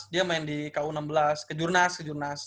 dia main di ku enam belas ke jurnas ke jurnas